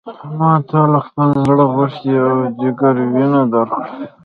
ما تا له خپل زړه غوښې او ځیګر وینه درکړه.